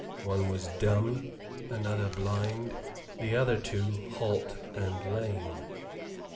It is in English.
One was dumb, another blind, the other two halt and lame.